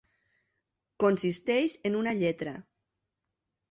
Consisteix en una lletra.